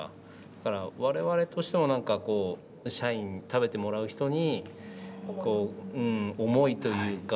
だから我々としても何か社員食べてもらう人にこう思いというか。